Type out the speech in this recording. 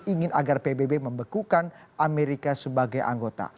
ingin agar pbb membekukan amerika sebagai anggota